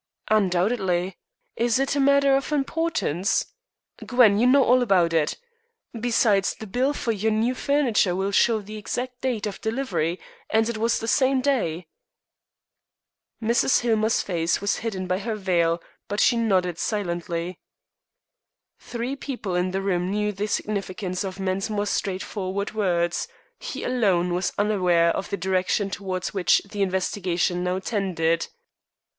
"Undoubtedly. Is it a matter of importance? Gwen, you know all about it. Besides, the bills for your new furniture will show the exact date of delivery, and it was the same day." Mrs. Hillmer's face was hidden by her veil, but she nodded silently. Three people in the room knew the significance of Mensmore's straightforward words; he alone was unaware of the direction towards which the investigation now tended.